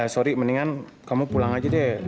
sorry mendingan kamu pulang aja deh